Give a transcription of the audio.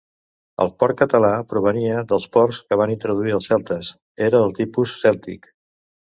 El porc català provenia dels porcs que van introduir els celtes, era del tipus cèltic.